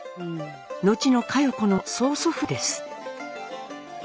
後の佳代子の曽祖父です。